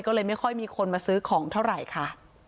ก็เลยไม่ค่อยมีคนมาซื้อของเท่าไหร่ค่ะ